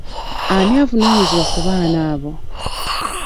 Ani avunaanyizibwa ku baana abo?